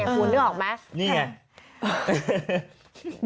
คุณนึกออกไหมนี่ไง